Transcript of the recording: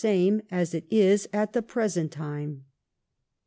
16« same as it is at tbe present time.''